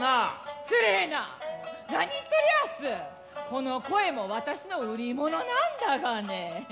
この声も私の売り物なんだがね。